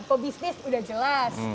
pebisnis sudah jelas